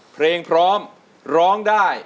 เพลงพร้อมร้องได้